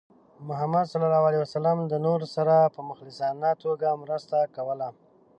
محمد صلى الله عليه وسلم د نورو سره په مخلصانه توګه مرسته کوله.